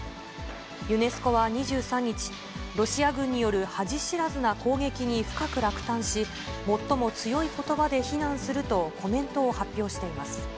ユネスコは２３日、ロシア軍による恥知らずな攻撃に深く落胆し、最も強いことばで非難するとコメントを発表しています。